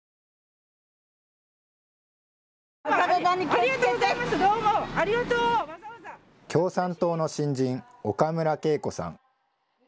共産党の新人、岡村恵子さん。